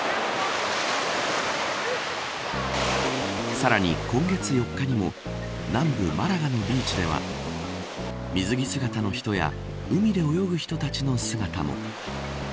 さらに、今月４日にも南部マラガのビーチでは水着姿の人や海で泳ぐ人たちの姿も。